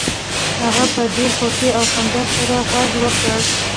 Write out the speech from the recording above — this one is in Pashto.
هغه په ډیره خوښۍ او خندا سره غږ وکړ